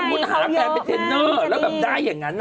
วินัยเขาเยอะมากแล้วแบบได้อย่างนั้น